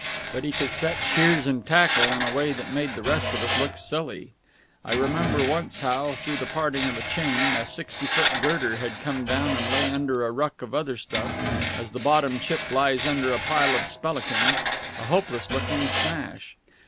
But he could set sheers and tackle in a way that made the rest of us look silly. I remember once how, through the parting of a chain, a sixty foot girder had come down and lay under a ruck of other stuff, as the bottom chip lies under a pile of spellikins a hopeless looking smash.